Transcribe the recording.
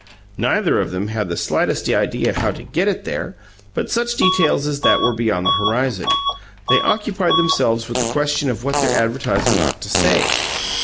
Neither of them had the slightest idea how to get it there; but such details as that were beyond the horizon; they occupied themselves with the question of what their advertisement ought to "say".